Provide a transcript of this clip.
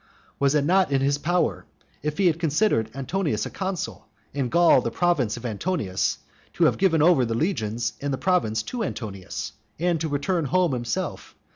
Was it not in his power, if he had considered Antonius a consul, and Gaul the province of Antonius, to have given over the legions and the province to Antonius? and to return home himself?